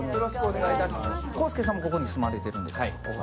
こーすけさんもここに住まれてるんですか？